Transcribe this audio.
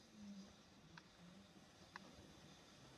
Vijana wetu umewamalika.